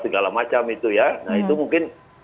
pengabulannya implikasi yang sama dagang dagangkov